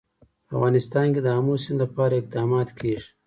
په افغانستان کې د آمو سیند لپاره اقدامات کېږي.